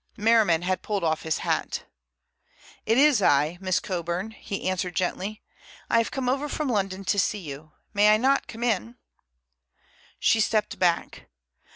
Merriman had pulled off his hat. "It is I, Miss Coburn," he answered gently. "I have come over from London to see you. May I not come in?" She stepped back.